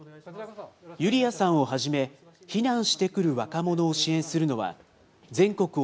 ユリアさんをはじめ、避難してくる若者を支援するのは、全国